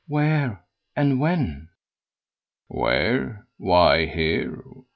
Where and when?" "Where? Why here.